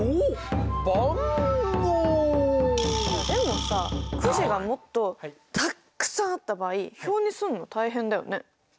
でもさくじがもっとたくさんあった場合表にすんの大変だよね。